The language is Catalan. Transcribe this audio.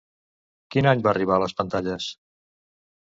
Quin any va arribar a les pantalles?